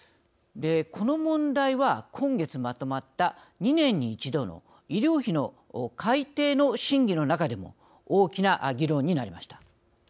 この問題は今月まとまった２年に一度の医療費の改定の審議の中でも大きな議論になりました。